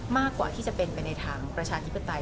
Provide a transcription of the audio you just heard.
มากกว่าที่จะเป็นไปในทางประชาธิปไตย